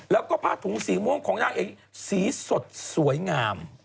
แล้วก็ผ้าถุงสีม่วงของนางเอกสีสดสวยงาม